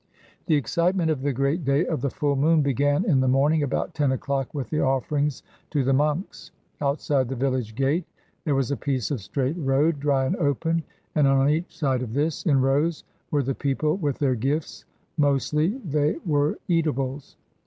The excitement of the great day of the full moon began in the morning, about ten o'clock, with the offerings to the monks. Outside the village gate there was a piece of straight road, dry and open, and on each side of this, in rows, were the people with their gifts; mostly they were eatables.